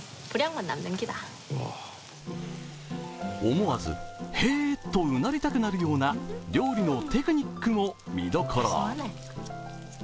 思わず、ヘーッとうなりたくなるような料理のテクニックも見どころ。